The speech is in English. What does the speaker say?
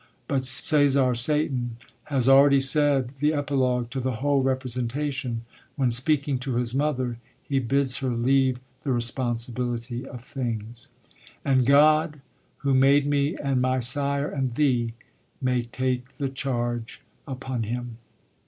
But Cæsar Satan has already said the epilogue to the whole representation, when, speaking to his mother, he bids her leave the responsibility of things: And God, who made me and my sire and thee, May take the charge upon him.